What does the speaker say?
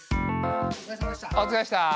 おつかれさまでした。